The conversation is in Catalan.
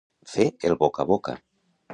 Fer el boca a boca.